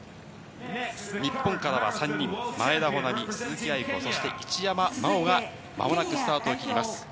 日本からは３人、前田穂南、鈴木亜由子、そして一山麻緒がまもなくスタートを切ります。